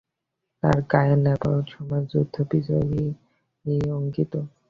তার গায়ে ন্যাপোলেঅঁর সময়ের যুদ্ধ-বিজয় অঙ্কিত।